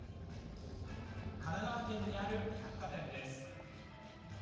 神奈川県にある百貨店です。